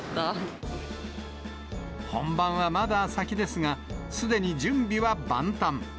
本番はまだ先ですが、すでに準備は万端。